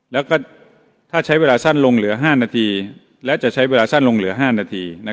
แล้วก็ถ้าใช้เวลาสั้นลงเหลือ๕นาทีและจะใช้เวลาสั้นลงเหลือ๕นาที